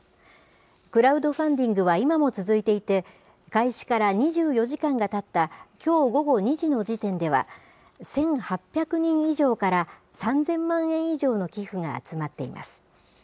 クラウドファンディングは今も続いていて、開始から２４時間がたったきょう午後２時の時点では、１８００人以上から３０００万円以上の寄付が集まっています。